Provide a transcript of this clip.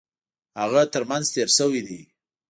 هغه ترمېنځ تېر شوی دی.